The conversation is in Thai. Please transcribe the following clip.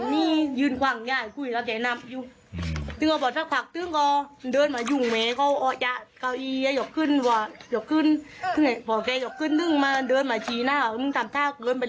นี่ยืนกว่างเนี่ยคุยแล้วแต่นำอยู่อืมตึงก็บอกชัดขวักตึงก็เดินมายุ่งแม้เขาออกจากเก้าอียะหยอกขึ้นว่าหยอกขึ้นขึ้นไหนบอกแกหยอกขึ้นตึงมาเดินมาชี้หน้าออกมึงตำท่าเกินไปเลย